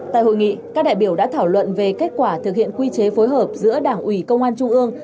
tại hội nghị các đại biểu đã thảo luận về kết quả thực hiện quy chế phối hợp giữa đảng ủy công an trung ương